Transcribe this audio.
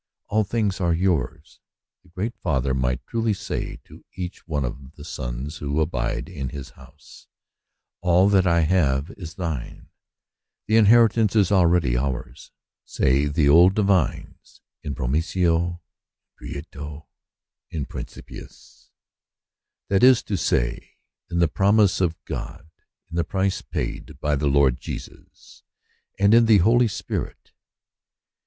"All things are yours." The great Father might truly say to each one of the sons who abide in his house, "All that I have is thine.'* The inheritance IS already ours, say the old divines, in promissOj in pretiOy in principiis ; that is to say, in the promise of God, in the price paid by the Lord Jesus, and in in its first principles which are infused into us by the Holy Spirit.